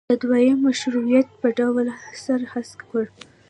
د دویم مشروطیت په ډول سر هسک کړ.